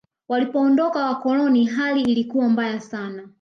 walipoondoka wakoloni hali ilikuwa mbaya sana